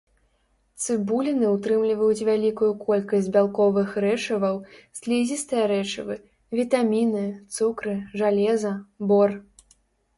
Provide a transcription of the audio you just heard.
Цыбуліны ўтрымліваюць вялікую колькасць бялковых рэчываў, слізістыя рэчывы, вітаміны, цукры, жалеза, бор.